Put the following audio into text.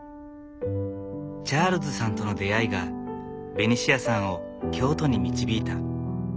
チャールズさんとの出会いがベニシアさんを京都に導いた。